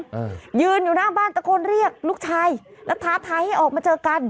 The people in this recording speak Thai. อืมยืนอยู่หน้าบ้านตะโกนเรียกลูกชายแล้วท้าทายให้ออกมาเจอกัน